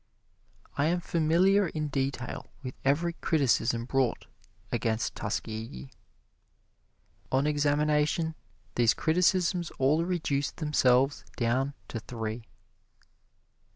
I am familiar in detail with every criticism brought against Tuskegee. On examination these criticisms all reduce themselves down to three: 1.